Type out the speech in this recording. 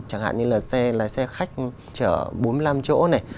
chẳng hạn như là xe lái xe khách chở bốn mươi năm chỗ này